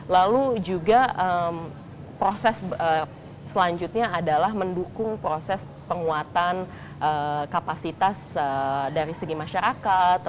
lalu juga proses selanjutnya adalah mendukung proses penguatan kapasitas dari segi masyarakat